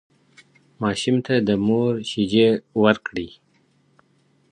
ماشوم ته د مور شیدې ورکړئ.